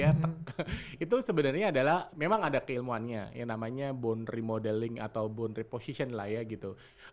ya itu sebenarnya adalah memang ada keilmuannya yang namanya bone remodeling ataupun bond reposition lah ya gitu